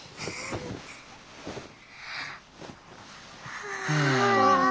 はあ。